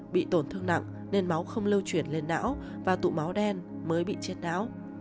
bị tổn thương nặng nên máu không lưu chuyển lên não và tụ máu đen mới bị chết não